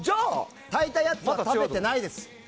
炊いたやつは食べてないです。